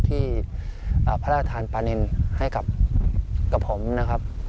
ที่พระราชทานปานินให้กับผมนะครับ